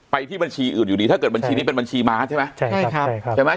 ที่บัญชีอื่นอยู่ดีถ้าเกิดบัญชีนี้เป็นบัญชีม้าใช่ไหมใช่ใช่ครับใช่ไหม